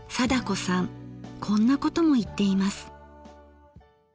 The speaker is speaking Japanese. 貞子さんこんなことも言っています。